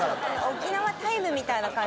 沖縄タイムみたいな感じで。